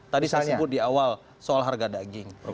tadi saya sebut di awal soal harga daging